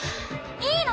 いいの？